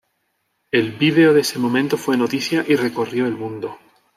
El vídeo de ese momento fue noticia y recorrió el mundo.